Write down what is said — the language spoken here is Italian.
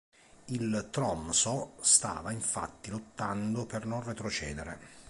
Il Tromsø stava infatti lottando per non retrocedere.